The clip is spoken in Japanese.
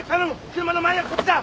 車の前はこっちだ。